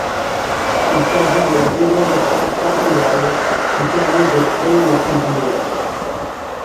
Il s'agit de la dernière étape d'encodage qui permet de créer le flux binaire.